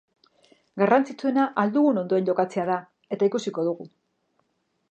Garrantzitsuena ahal dugun ondoen jokatzea da, eta ikusiko dugu.